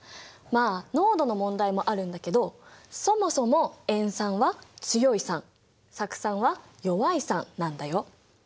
まあ濃度の問題もあるんだけどそもそも塩酸は強い酸酢酸は弱い酸なんだよ。